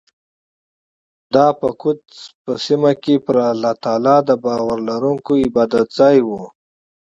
دا په قدس په سیمه کې پر الله تعالی د باور لرونکو عبادتځای و.